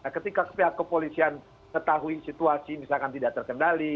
ketika pihak kepolisian ketahui situasi misalkan tidak terkendali